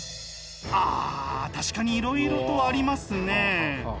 あ確かにいろいろとありますね。